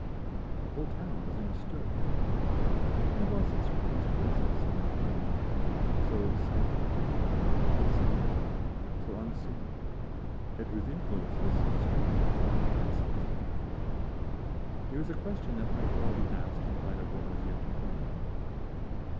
The whole town was in a stir. Who was this priest who had so suddenly come among them, so self forgetful, so simple, so unassuming, yet whose influence was so strong with all classes? It was a question that might well be asked in the light of what was yet to come.